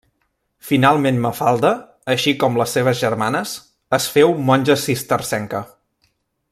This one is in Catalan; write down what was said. Finalment Mafalda, així com les seves germanes, es féu monja cistercenca.